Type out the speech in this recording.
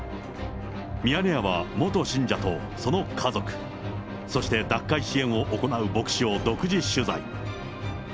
ミヤネ屋は元信者とその家族、そして脱会支援を行う牧師を独自取材。